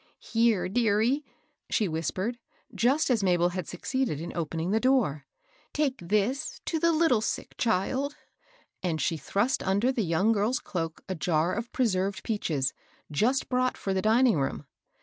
" Here, dearie !" she whispered, just as Mabel had succeeded in opening the door, " take this to the little sick child." And she thrust under the young girl's cloak a Jar o? ipceaetNedi ^^eaiAv^^ '^jqs85. ARISTOCRACY. 817 brought for the dining room.